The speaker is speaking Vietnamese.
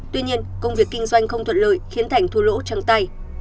tuy nhiên công việc kinh doanh không thuận lợi khiến thành thua lỗ trắng tay